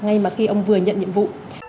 ngay mà khi ông vừa nhận nhiệm vụ